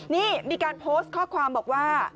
นี่มีการโพสต์ข้อความบอกว่า